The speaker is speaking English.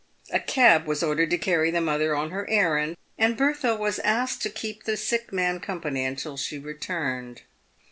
A cab was ordered to carry the mother on her errand, and Bertha was asked to keep the sick man company until she returned.